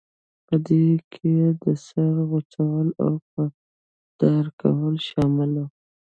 په دې کې د سر غوڅول او په دار کول شامل وو.